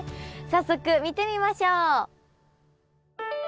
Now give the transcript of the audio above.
早速見てみましょう。